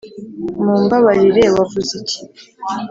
mumbabarire, wavuze iki?